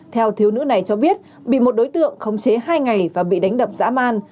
theo thiếu nữ này cho biết bị một đối tượng khống chế hai ngày và bị đánh đập dã man